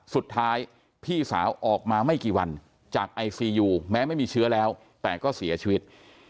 สุดท้ายพี่สาวออกมาไม่กี่วันจากไอซียูแม้ไม่มีเชื้อแล้วแต่ก็เสียชีวิต